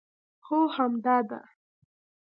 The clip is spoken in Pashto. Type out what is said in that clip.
هو همدا ده